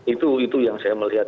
itu yang saya melihat